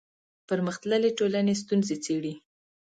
پرمختللې ټولنې ستونزې څېړي